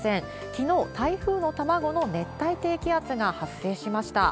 きのう、台風の卵の熱帯低気圧が発生しました。